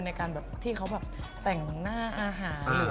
ในการจึงแสงตรงหน้าอาหาร